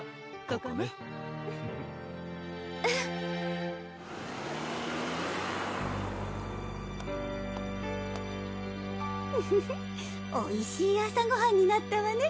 ここねうんフフフおいしい朝ごはんになったわね